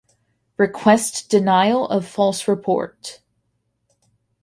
Request denial of false report.